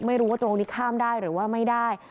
ไม่รู้ว่าตรงนี้ข้ามได้หรือว่าไม่ได้